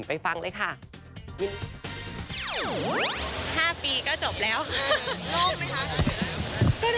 คุณผ่านเรียนด้วยกันที่ไม่คิด